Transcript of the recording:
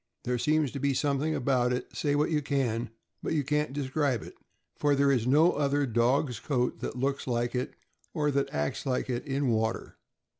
There seems to be something about it, say what you can, but you can't describe it, for there is no other dog's coat that looks like it or that acts like it in water.